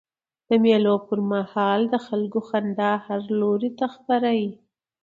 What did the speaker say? د مېلو پر مهال د خلکو خندا هر لور ته خپره يي.